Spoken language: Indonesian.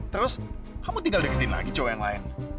terus kamu tinggal deketin lagi coba yang lain